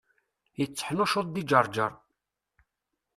Yetteḥnuccuḍ di Ǧerǧer.